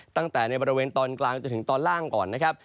ตั้งแต่ในบริเวณตอนกลางจนถึงตอนล่างก่อนนะครับ